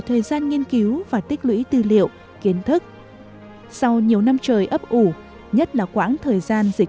thời gian nghiên cứu và tích lũy tư liệu kiến thức sau nhiều năm trời ấp ủ nhất là quãng thời gian dịch